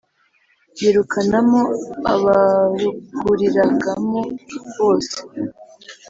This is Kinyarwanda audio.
yirukanamo abaruguriragamo bose